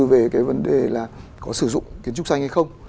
về cái vấn đề là có sử dụng kiến trúc xanh hay không